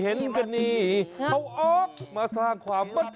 เห็นกันนี่เขาออกมาสร้างความมั่นใจ